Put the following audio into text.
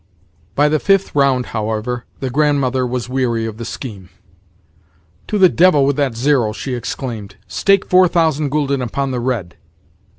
By the fifth round, however, the Grandmother was weary of the scheme. "To the devil with that zero!" she exclaimed. "Stake four thousand gülden upon the red."